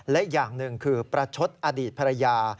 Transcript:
และอย่างหนึ่งคือประชดอดีตภรรยา